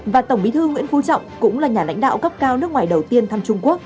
và tổng bí thư nguyễn phú trọng cũng là nhà lãnh đạo cấp cao nước ngoài đầu tiên thăm trung quốc